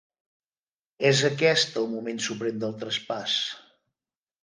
És aquest el moment suprem del traspàs.